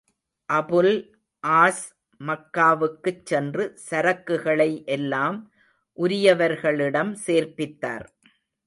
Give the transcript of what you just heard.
Abul As மக்காவுக்குச் சென்று சரக்குகளை எல்லாம் உரியவர்களிடம் சேர்ப்பித்தார்.